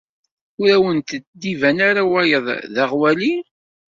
Ur awent-d-iban ara waya d aɣwali?